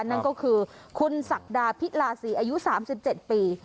นั่นก็คือคุณศักดาพิลาศรีอายุ๓๗ปี